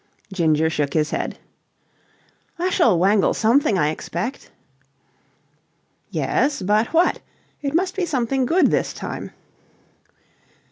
Ginger shook his head. "I shall wangle something, I expect."' "Yes, but what? It must be something good this time.